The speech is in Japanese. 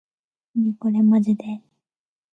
なにこれまじで